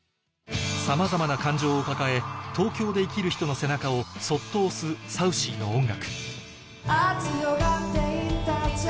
さまざまな感情を抱え東京で生きる人の背中をそっと押すサウシーの音楽